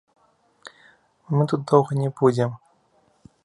Мы тут доўга не будзем.